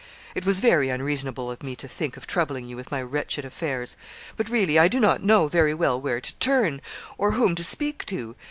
'It was very unreasonable of me to think of troubling you with my wretched affairs; but really I do not know very well where to turn, or whom to speak to.